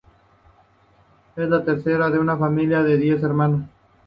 Es la tercera de una familia de diez hermanos.